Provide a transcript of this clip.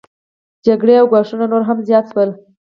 جګړې او ګواښونه نور هم زیات شول